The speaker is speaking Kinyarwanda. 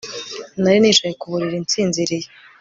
Nari nicaye ku buriri nsinziriye